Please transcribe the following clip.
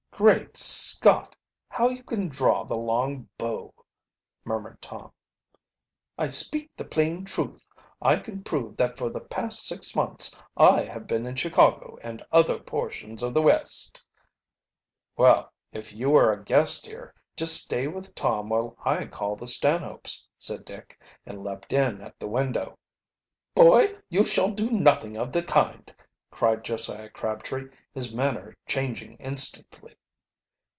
"Great Scott! how you can draw the long bow!" murmured Tom. "I speak the plain truth. I can prove that for the past six months I have been in Chicago and other portions of the West. "Well, if you are a guest here, just stay with Tom while I call the Stanhopes," said Dick, and leaped in at the window. "Boy, you shall do nothing of the kind," cried Josiah Crabtree, his manner changing instantly.